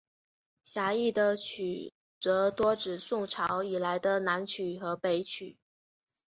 狭义的曲则多指宋朝以来的南曲和北曲。